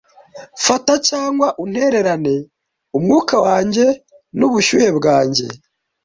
fata cyangwa untererane umwuka wanjye n'ubushyuhe bwanjye